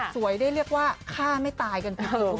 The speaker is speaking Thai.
สวยได้เรียกว่าฆ่าไม่ตายกันไปเลย